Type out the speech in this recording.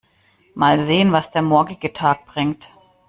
Mal sehen, was der morgige Tag bringt.